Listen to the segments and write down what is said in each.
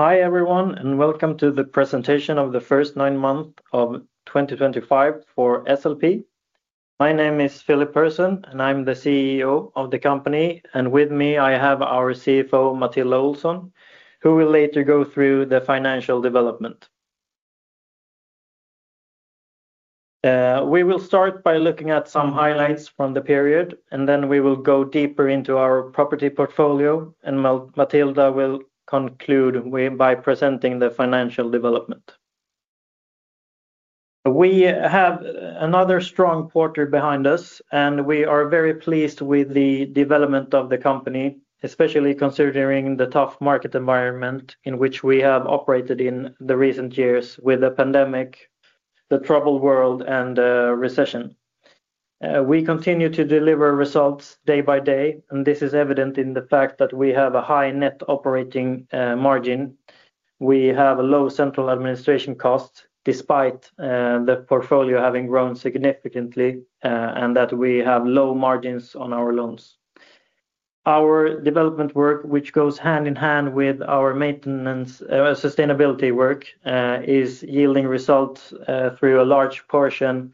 Hi everyone, and welcome to the presentation of the first nine months of 2025 for SLP. My name is Filip Persson, and I'm the CEO of the company. With me, I have our CFO, Matilda Olsson, who will later go through the financial development. We will start by looking at some highlights from the period, and then we will go deeper into our property portfolio. Matilda will conclude by presenting the financial development. We have another strong quarter behind us, and we are very pleased with the development of the company, especially considering the tough market environment in which we have operated in the recent years with the pandemic, the troubled world, and the recession. We continue to deliver results day by day, and this is evident in the fact that we have a high net operating margin. We have low central administration costs despite the portfolio having grown significantly, and that we have low margins on our loans. Our development work, which goes hand in hand with our sustainability work, is yielding results through a large portion of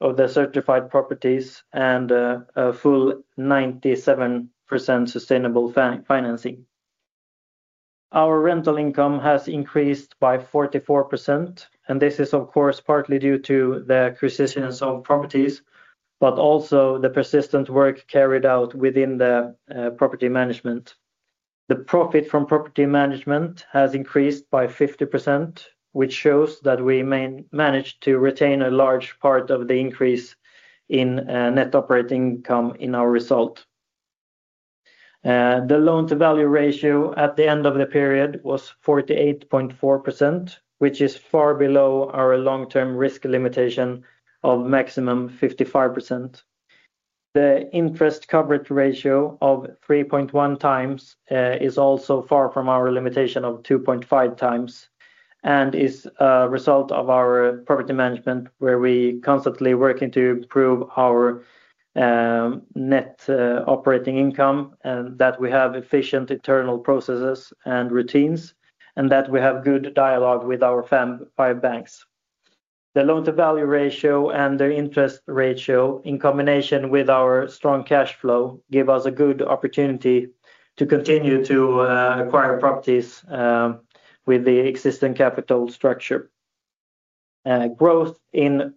the certified properties and a full 97% sustainable financing. Our rental income has increased by 44%, and this is, of course, partly due to the acquisitions of properties, but also the persistent work carried out within the property management. The profit from property management has increased by 50%, which shows that we managed to retain a large part of the increase in net operating income in our result. The loan-to-value ratio at the end of the period was 48.4%, which is far below our long-term risk limitation of maximum 55%. The interest coverage ratio of 3.1x is also far from our limitation of 2.5x and is a result of our property management, where we constantly work to improve our net operating income, and that we have efficient internal processes and routines, and that we have good dialogue with our five banks. The loan-to-value ratio and the interest ratio, in combination with our strong cash flow, give us a good opportunity to continue to acquire properties with the existing capital structure. Growth in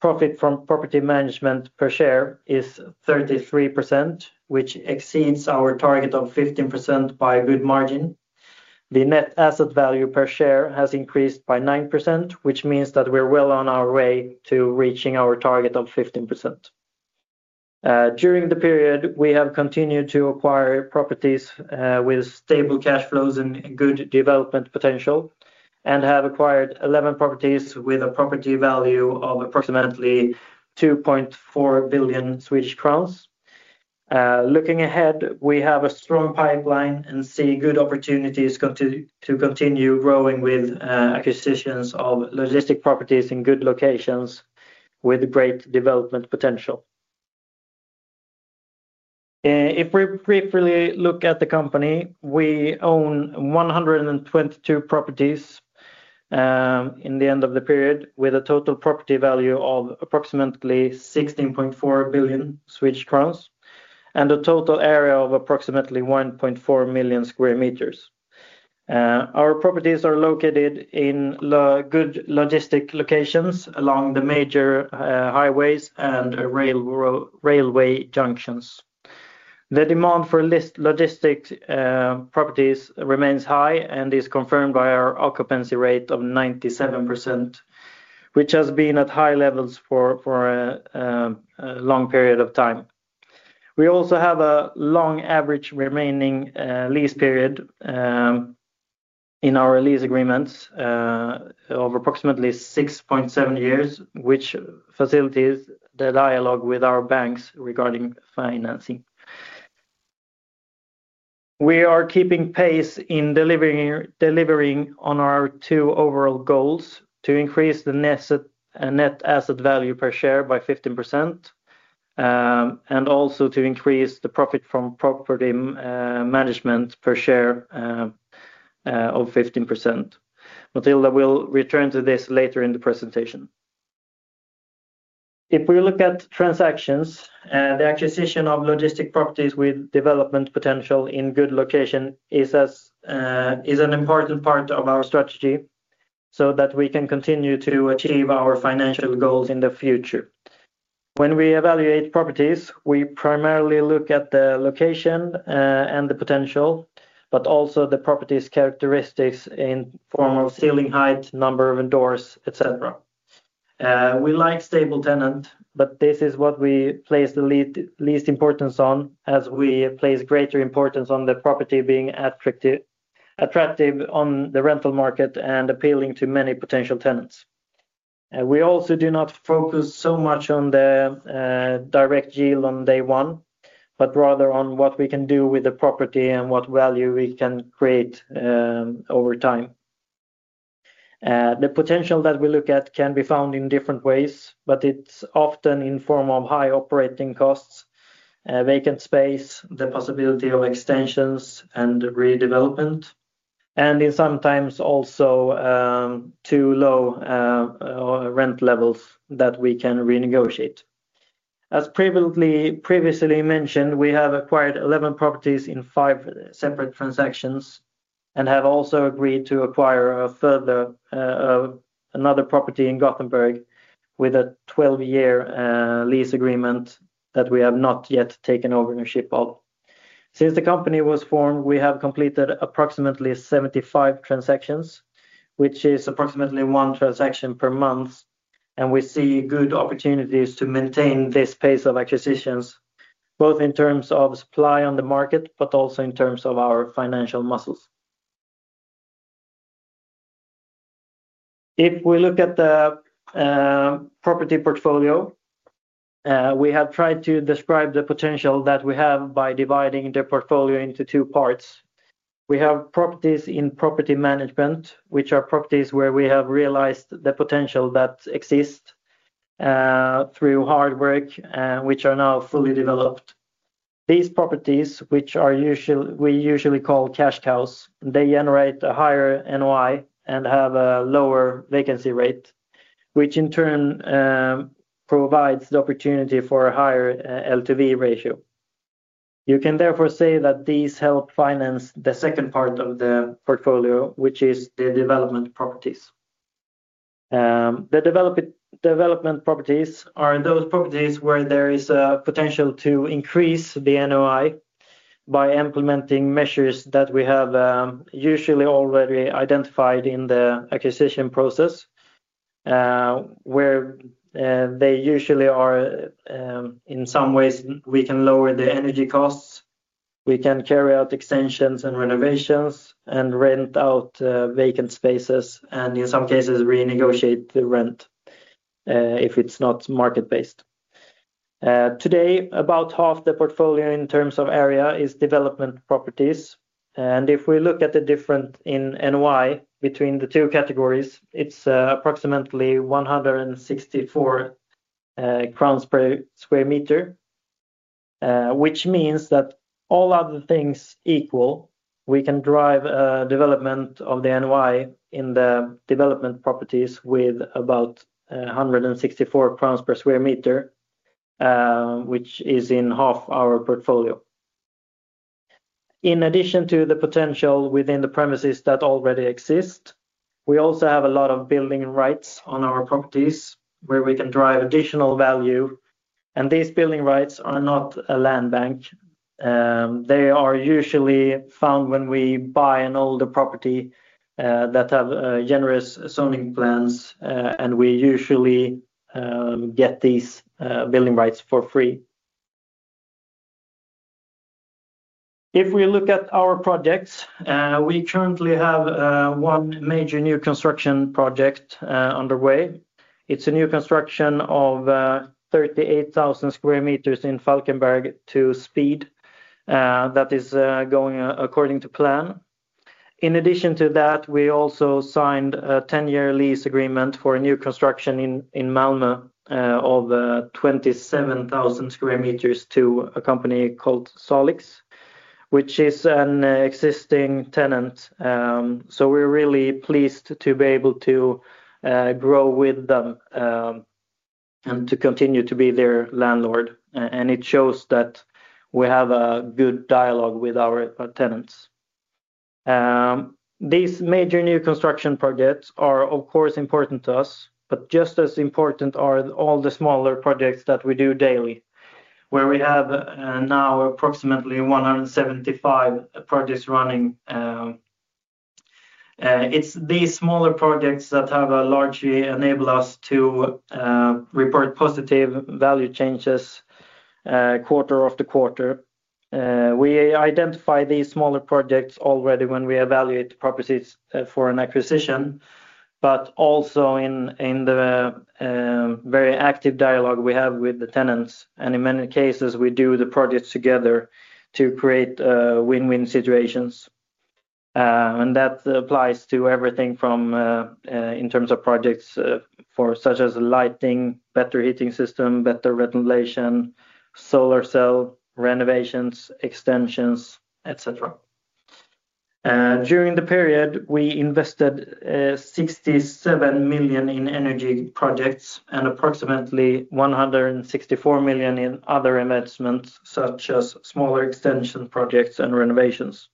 profit from property management per share is 33%, which exceeds our target of 15% by a good margin. The net asset value per share has increased by 9%, which means that we're well on our way to reaching our target of 15%. During the period, we have continued to acquire properties with stable cash flows and good development potential and have acquired 11 properties with a property value of approximately 2.4 billion Swedish crowns. Looking ahead, we have a strong pipeline and see good opportunities to continue growing with acquisitions of logistics properties in good locations with great development potential. If we briefly look at the company, we own 122 properties at the end of the period, with a total property value of approximately 16.4 billion Swedish crowns and a total area of approximately 1.4 million sq m. Our properties are located in good logistics locations along the major highways and railway junctions. The demand for logistics properties remains high and is confirmed by our occupancy rate of 97%, which has been at high levels for a long period of time. We also have a long average remaining lease period in our lease agreements of approximately 6.7 years, which facilitates the dialogue with our banks regarding financing. We are keeping pace in delivering on our two overall goals: to increase the net asset value per share by 15% and also to increase the profit from property management per share by 15%. Matilda will return to this later in the presentation. If we look at transactions, the acquisition of logistics properties with development potential in good locations is an important part of our strategy so that we can continue to achieve our financial goals in the future. When we evaluate properties, we primarily look at the location and the potential, but also the property's characteristics in the form of ceiling height, number of doors, etc. We like stable tenants, but this is what we place the least importance on, as we place greater importance on the property being attractive on the rental market and appealing to many potential tenants. We also do not focus so much on the direct yield on day one, but rather on what we can do with the property and what value we can create over time. The potential that we look at can be found in different ways, but it's often in the form of high operating costs, vacant space, the possibility of extensions, and redevelopment, and sometimes also too low rent levels that we can renegotiate. As previously mentioned, we have acquired 11 properties in five separate transactions and have also agreed to acquire another property in Gothenburg with a 12-year lease agreement that we have not yet taken ownership of. Since the company was formed, we have completed approximately 75 transactions, which is approximately one transaction per month, and we see good opportunities to maintain this pace of acquisitions, both in terms of supply on the market, but also in terms of our financial muscles. If we look at the property portfolio, we have tried to describe the potential that we have by dividing the portfolio into two parts. We have properties in property management, which are properties where we have realized the potential that exists through hard work, which are now fully developed. These properties, which we usually call cash cows, generate a higher NOI and have a lower vacancy rate, which in turn provides the opportunity for a higher LTV ratio. You can therefore say that these help finance the second part of the portfolio, which is the development properties. The development properties are those properties where there is a potential to increase the NOI by implementing measures that we have usually already identified in the acquisition process, where they usually are, in some ways, we can lower the energy costs, we can carry out extensions and renovations, and rent out vacant spaces, and in some cases renegotiate the rent if it's not market-based. Today, about half the portfolio in terms of area is development properties, and if we look at the difference in NOI between the two categories, it's approximately 164 crowns per square meter, which means that all other things equal, we can drive a development of the NOI in the development properties with about 164 crowns per square meter, which is in half our portfolio. In addition to the potential within the premises that already exist, we also have a lot of building rights on our properties where we can drive additional value, and these building rights are not a land bank. They are usually found when we buy an older property that has generous zoning plans, and we usually get these building rights for free. If we look at our projects, we currently have one major new construction project underway. It's a new construction of 38,000 sq m in Falkenberg that is going according to plan. In addition to that, we also signed a 10-year lease agreement for a new construction in Malmö of 27,000 sq m to a company called Salix, which is an existing tenant. We are really pleased to be able to grow with them and to continue to be their landlord, and it shows that we have a good dialogue with our tenants. These major new construction projects are, of course, important to us, but just as important are all the smaller projects that we do daily, where we have now approximately 175 projects running. It's these smaller projects that have largely enabled us to report positive value changes quarter after quarter. We identify these smaller projects already when we evaluate the properties for an acquisition, but also in the very active dialogue we have with the tenants, and in many cases, we do the projects together to create win-win situations. That applies to everything in terms of projects such as lighting, better heating system, better ventilation, solar cell renovations, extensions, etc. During the period, we invested 67 million in energy projects and approximately 164 million in other investments such as smaller extension projects and renovations.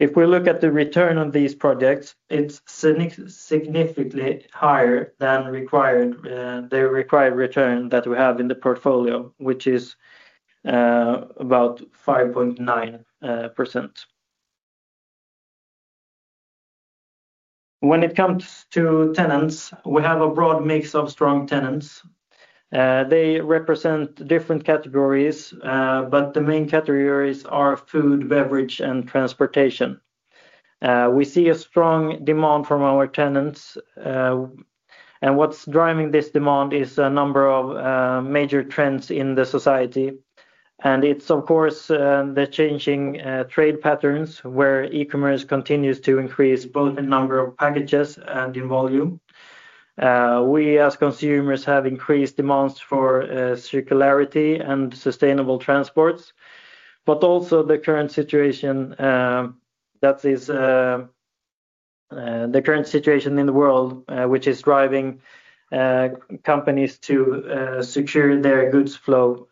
If we look at the return on these projects, it's significantly higher than the required return that we have in the portfolio, which is about 5.9%. When it comes to tenants, we have a broad mix of strong tenants. They represent different categories, but the main categories are food, beverage, and transportation. We see a strong demand from our tenants, and what's driving this demand is a number of major trends in the society. It's, of course, the changing trade patterns where e-commerce continues to increase both in the number of packages and in volume. We, as consumers, have increased demands for circularity and sustainable transports, but also the current situation in the world, which is driving companies to secure their goods flow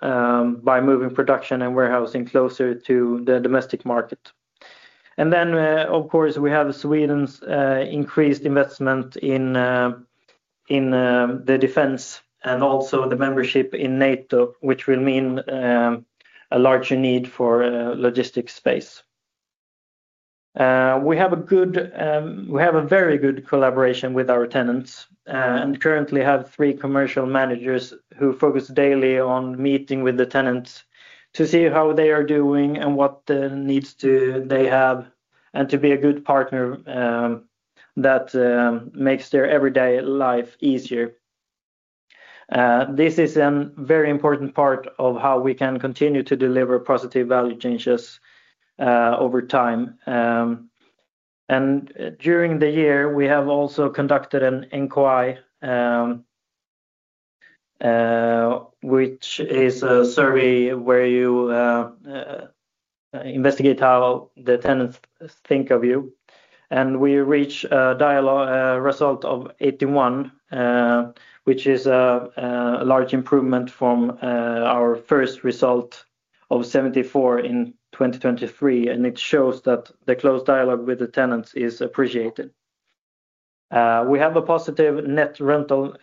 by moving production and warehousing closer to the domestic market. Of course, we have Sweden's increased investment in the defense and also the membership in NATO, which will mean a larger need for logistics space. We have a very good collaboration with our tenants and currently have three Commercial Managers who focus daily on meeting with the tenants to see how they are doing and what the needs they have and to be a good partner that makes their everyday life easier. This is a very important part of how we can continue to deliver positive value changes over time. During the year, we have also conducted an NQI, which is a survey where you investigate how the tenants think of you, and we reach a result of 81, which is a large improvement from our first result of 74 in 2023, and it shows that the close dialogue with the tenants is appreciated. We have a positive net rental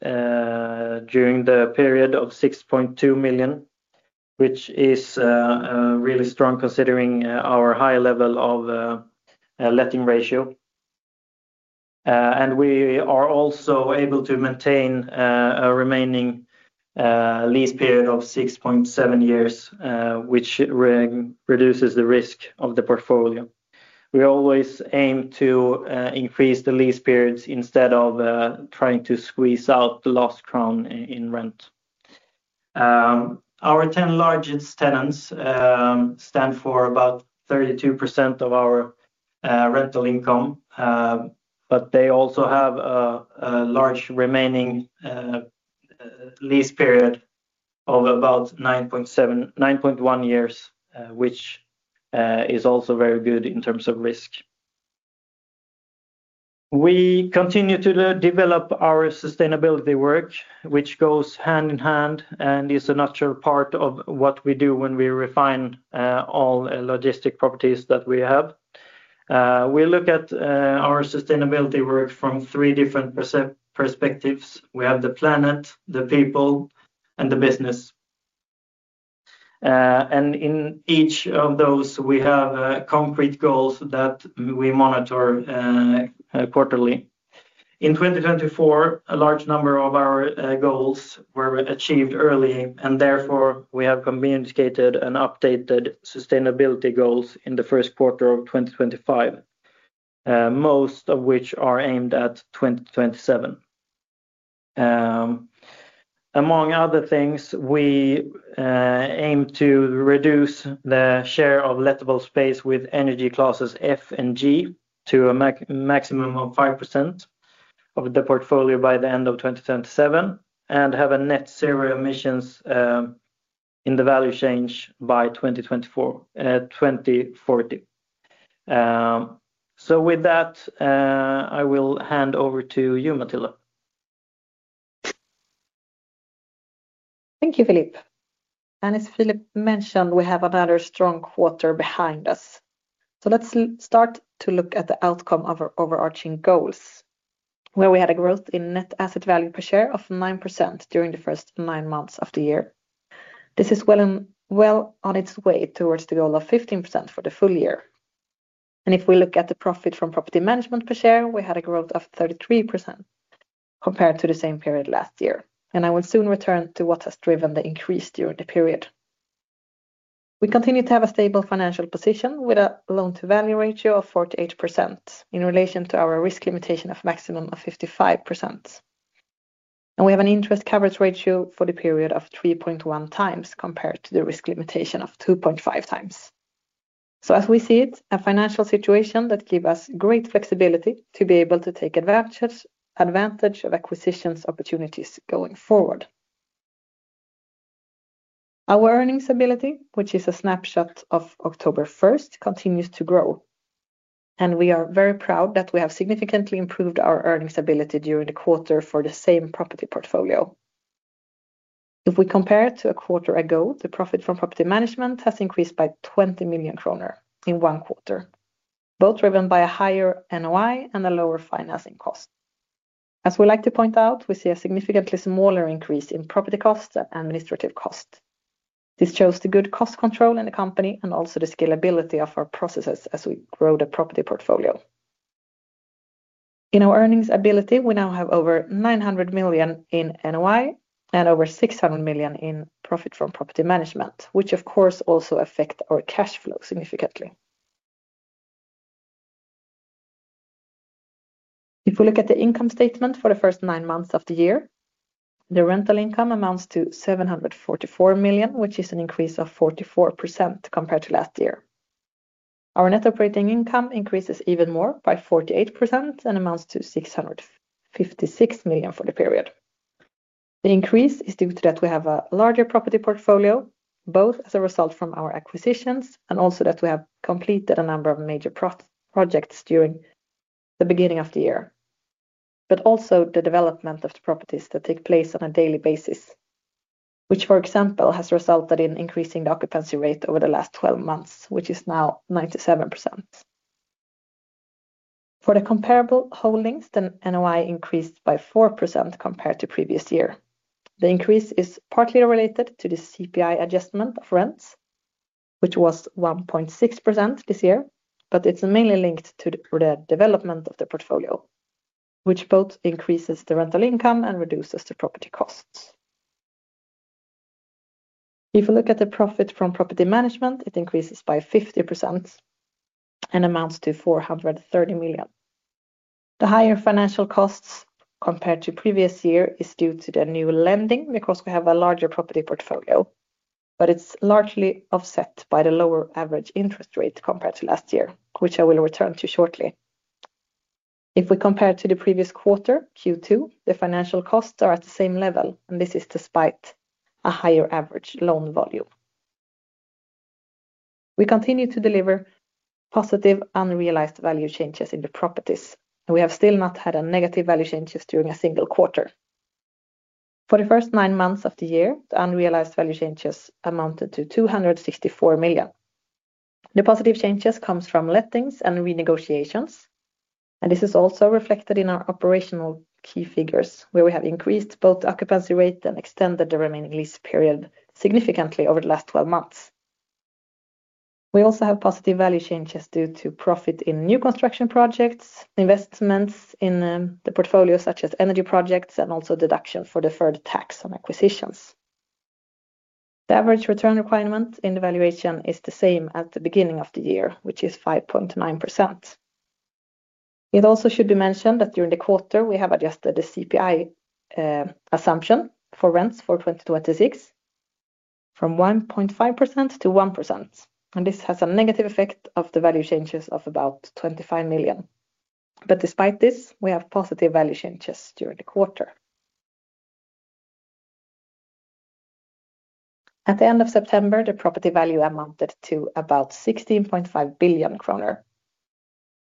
during the period of 6.2 million, which is really strong considering our high level of letting ratio. We are also able to maintain a remaining lease period of 6.7 years, which reduces the risk of the portfolio. We always aim to increase the lease periods instead of trying to squeeze out the last crown in rent. Our 10 largest tenants stand for about 32% of our rental income, but they also have a large remaining lease period of about 9.1 years, which is also very good in terms of risk. We continue to develop our sustainability work, which goes hand in hand and is a natural part of what we do when we refine all logistics properties that we have. We look at our sustainability work from three different perspectives. We have the planet, the people, and the business. In each of those, we have concrete goals that we monitor quarterly. In 2024, a large number of our goals were achieved early, and therefore, we have communicated and updated sustainability goals in the first quarter of 2025, most of which are aimed at 2027. Among other things, we aim to reduce the share of lettable space with energy classes F and G to a maximum of 5% of the portfolio by the end of 2027 and have net zero emissions in the value chain by 2040. With that, I will hand over to you, Matilda. Thank you, Filip. As Filip mentioned, we have another strong quarter behind us. Let's start to look at the outcome of our overarching goals, where we had a growth in net asset value per share of 9% during the first nine months of the year. This is well on its way towards the goal of 15% for the full year. If we look at the profit from property management per share, we had a growth of 33% compared to the same period last year. I will soon return to what has driven the increase during the period. We continue to have a stable financial position with a loan-to-value ratio of 48% in relation to our risk limitation of a maximum of 55%. We have an interest coverage ratio for the period of 3.1x compared to the risk limitation of 2.5x. As we see it, this is a financial situation that gives us great flexibility to be able to take advantage of acquisition opportunities going forward. Our earnings ability, which is a snapshot as of October 1st, continues to grow. We are very proud that we have significantly improved our earnings ability during the quarter for the same property portfolio. If we compare it to a quarter ago, the profit from property management has increased by 20 million kronor in one quarter, both driven by a higher NOI and a lower financing cost. As we like to point out, we see a significantly smaller increase in property costs and administrative costs. This shows the good cost control in the company and also the scalability of our processes as we grow the property portfolio. In our earnings ability, we now have over 900 million in NOI and over 600 million in profit from property management, which of course also affects our cash flow significantly. If we look at the income statement for the first nine months of the year, the rental income amounts to 744 million, which is an increase of 44% compared to last year. Our net operating income increases even more by 48% and amounts to 656 million for the period. The increase is due to the fact that we have a larger property portfolio, both as a result of our acquisitions and also that we have completed a number of major projects during the beginning of the year, but also the development of the properties that take place on a daily basis, which for example has resulted in increasing the occupancy rate over the last 12 months, which is now 97%. For the comparable holdings, the NOI increased by 4% compared to the previous year. The increase is partly related to the CPI adjustment of rents, which was 1.6% this year, but it's mainly linked to the development of the portfolio, which both increases the rental income and reduces the property costs. If we look at the profit from property management, it increases by 50% and amounts to 430 million. The higher financial costs compared to the previous year are due to the new lending because we have a larger property portfolio, but it's largely offset by the lower average interest rate compared to last year, which I will return to shortly. If we compare to the previous quarter, Q2, the financial costs are at the same level, and this is despite a higher average loan volume. We continue to deliver positive unrealized value changes in the properties, and we have still not had negative value changes during a single quarter. For the first nine months of the year, the unrealized value changes amounted to 264 million. The positive changes come from lettings and renegotiations, and this is also reflected in our operational key figures, where we have increased both the occupancy rate and extended the remaining lease period significantly over the last 12 months. We also have positive value changes due to profit in new construction projects, investments in the portfolio such as energy projects, and also deduction for deferred tax on acquisitions. The average return requirement in the valuation is the same as the beginning of the year, which is 5.9%. It also should be mentioned that during the quarter, we have adjusted the CPI assumption for rents for 2026 from 1.5% to 1%, and this has a negative effect on the value changes of about 25 million. Despite this, we have positive value changes during the quarter. At the end of September, the property value amounted to about 16.5 billion kronor,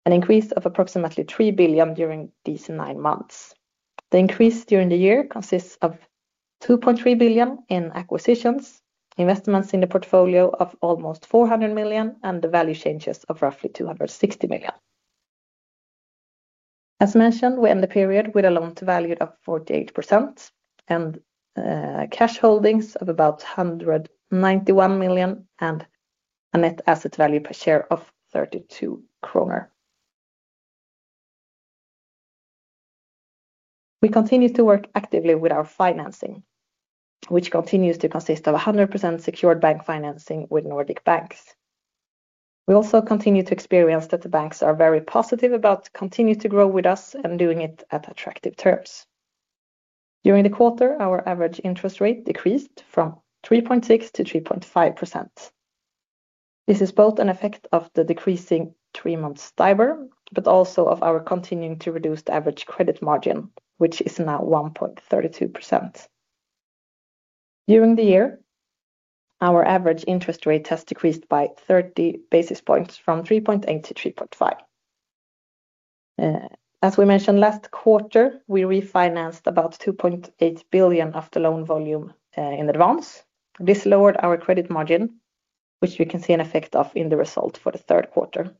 an increase of approximately 3 billion during these nine months. The increase during the year consists of 2.3 billion in acquisitions, investments in the portfolio of almost 400 million, and the value changes of roughly 260 million. As mentioned, we end the period with a loan-to-value of 48% and cash holdings of about 191 million and a net asset value per share of 32 kronor. We continue to work actively with our financing, which continues to consist of 100% secured bank financing with Nordic Banks. We also continue to experience that the banks are very positive about continuing to grow with us and doing it at attractive terms. During the quarter, our average interest rate decreased from 3.6% to 3.5%. This is both an effect of the decreasing three-month STABER, but also of our continuing to reduce the average credit margin, which is now 1.32%. During the year, our average interest rate has decreased by 30 basis points from 3.8% to 3.5%. As we mentioned last quarter, we refinanced about 2.8 billion of the loan volume in advance. This lowered our credit margin, which we can see an effect of in the result for the third quarter.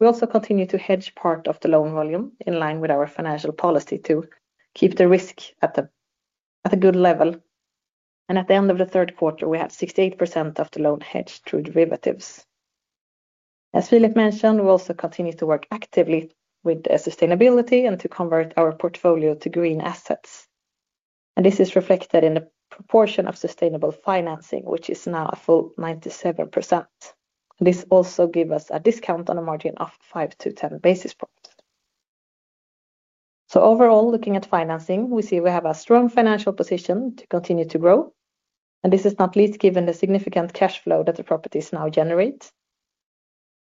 We also continue to hedge part of the loan volume in line with our financial policy to keep the risk at a good level. At the end of the third quarter, we had 68% of the loan hedged through derivatives. As Filip mentioned, we also continue to work actively with sustainability and to convert our portfolio to green assets. This is reflected in the proportion of sustainable financing, which is now a full 97%. This also gives us a discount on a margin of 5-10 basis points. Overall, looking at financing, we see we have a strong financial position to continue to grow. This is not least given the significant cash flow that the properties now generate.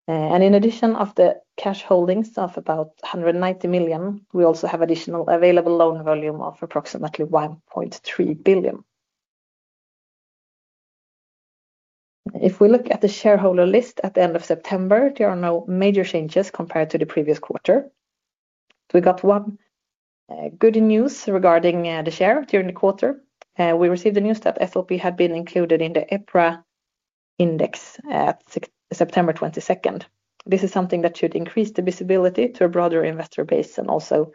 In addition to the cash holdings of about 190 million, we also have additional available loan volume of approximately 1.3 billion. If we look at the shareholder list at the end of September, there are no major changes compared to the previous quarter. We got one good news regarding the share during the quarter. We received the news that SLP had been included in the EPRA index at September 22nd. This is something that should increase the visibility to a broader investor base and also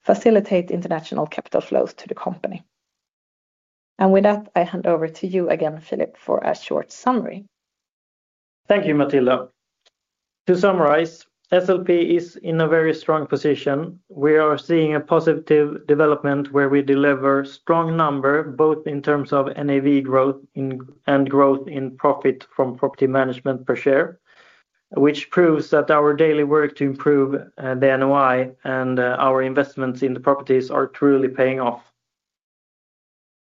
facilitate international capital flows to the company. With that, I hand over to you again, Filip, for a short summary. Thank you, Matilda. To summarize, SLP is in a very strong position. We are seeing a positive development where we deliver a strong number, both in terms of NAV growth and growth in profit from property management per share, which proves that our daily work to improve the NOI and our investments in the properties are truly paying off.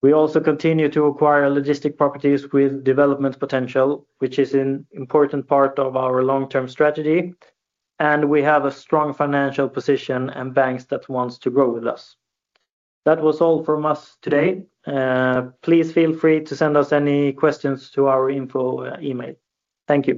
We also continue to acquire logistics properties with development potential, which is an important part of our long-term strategy. We have a strong financial position and banks that want to grow with us. That was all from us today. Please feel free to send us any questions to our info email. Thank you.